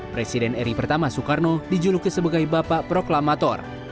presiden eri i soekarno dijuluki sebagai bapak proklamator